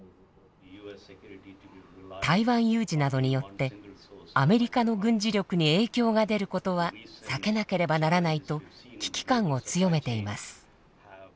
台湾有事などによってアメリカの軍事力に影響が出ることは避けなければならないと危機感を強めています。